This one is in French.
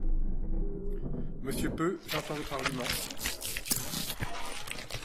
Monsieur Peu, j’entends votre argument.